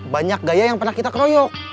banyak gaya yang pernah kita keroyok